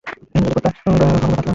কিন্তু, যদি কোরটা ঘন কিংবা পাতলা হয়?